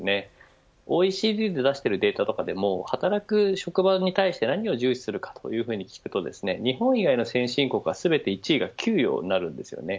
ＯＥＣＤで出しているデータとかでも働く職場に対して何を重視するかと聞くと日本以外の先進国は全て１位が給与になるんですよね。